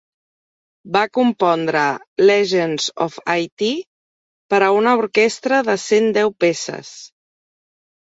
Va compondre "Legends of Haiti" per a una orquestra de cent deu peces.